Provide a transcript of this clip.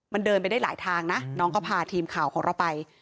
มันเดินไปได้หลายทางนะน้องก็พาทีมข่าวของเราไป